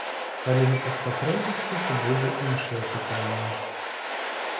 Калі гэта спатрэбіцца, то будзе іншае пытанне.